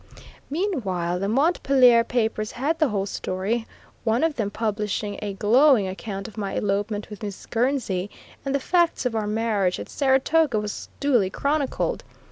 Meanwhile, the Montpelier papers had the whole story, one of them publishing a glowing account of my elopement with Miss Gurnsey, and the facts of our marriage at Saratoga was duly chronicled.